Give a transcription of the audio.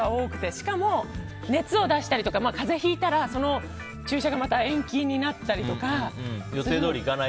しかも熱を出したり風邪をひいたら注射がまた延期になったりとか。